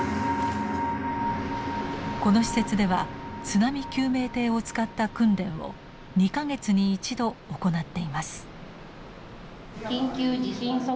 この施設では津波救命艇を使った訓練を２か月に１度行っています。